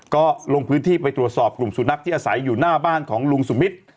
ก็ลงพื้นที่ไปตรวจสอบกลุ่มสุนัขที่อาศัยอยู่หน้าบ้านของลุงสุมิตร